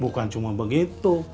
bukan cuma begitu